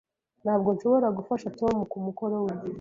Ntabwo nshobora gufasha Tom kumukoro we.